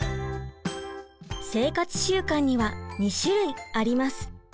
生活習慣には２種類あります。